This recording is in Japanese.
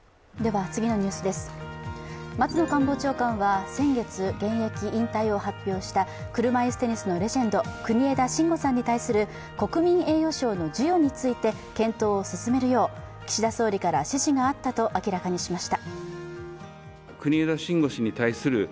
松野官房長官は先月、現役引退を発表した車いすテニスのレジェンド、国枝慎吾さんに対する国民栄誉賞の授与について検討を進めるよう、岸田総理から指示があったと明らかにしました。